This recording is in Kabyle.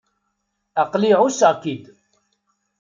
Aql-i ɛusseɣ-k-id.